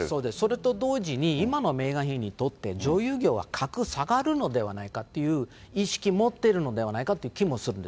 それと同時に、今のメーガン妃にとって女優業は格下がるのではないかっていう意識持ってるのではないかという気もするんです。